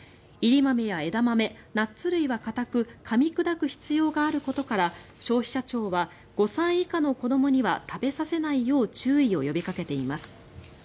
煎り豆や枝豆ナッツ類は硬くかみ砕く必要があることから消費者庁は５歳以下の子どもには食べさせないよう注意を呼びかけています。